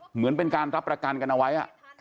เหมือนเป็นการรับประกันกันเอาไว้